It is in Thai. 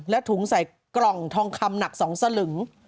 และถุงใส่กล่องทองคำหนัก๒สลึง